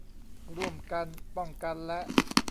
ร่วมกันป้องกันและ